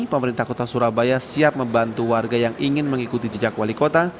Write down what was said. pemerintah kota surabaya siap membantu warga yang ingin mengikuti jejak wali kota